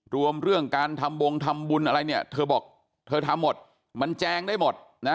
รวมเรื่องการทำบงทำบุญอะไรเนี่ยเธอบอกเธอทำหมดมันแจงได้หมดนะ